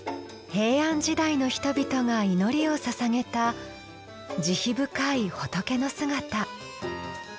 平安時代の人々が祈りをささげた慈悲深い仏の姿。